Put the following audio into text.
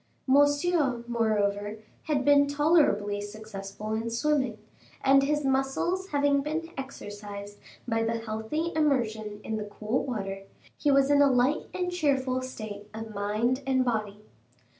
Monsieur, moreover, had been tolerably successful in swimming, and his muscles having been exercised by the healthy immersion in the cool water, he was in a light and cheerful state of mind and body.